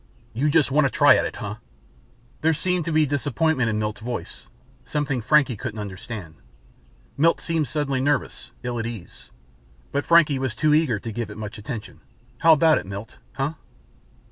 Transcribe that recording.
"You just want a try at it, huh?" There seemed to be disappointment in Milt's voice; something Frankie couldn't understand. Milt seemed suddenly nervous, ill at ease. But Frankie was too eager to give it much attention. "How about it, Milt huh?"